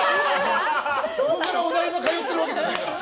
そこからお台場通ってるわけじゃないから。